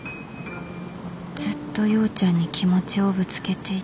ずっと陽ちゃんに気持ちをぶつけていた